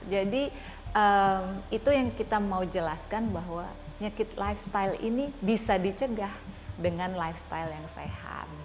jadi itu yang kita mau jelaskan bahwa penyakit lifestyle ini bisa dicegah dengan lifestyle yang sehat